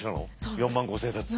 ４万５，０００冊。